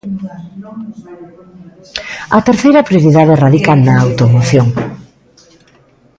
A terceira prioridade radica na automoción.